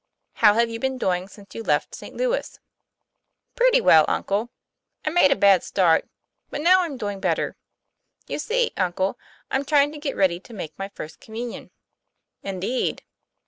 ' How have you been doing since you left St. Louis? ': 'Pretty well, uncle. I made a bad start; but now I'm doing better. You see, uncle, I'm trying to get ready to make my First Communion." "Indeed!"